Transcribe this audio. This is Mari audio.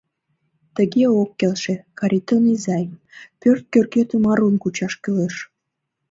Тыге ок келше, Каритон изай, пӧрт кӧргетым арун кучаш кӱлеш...